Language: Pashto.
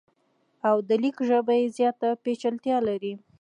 او د لیک ژبه یې زیاته پیچلتیا لري.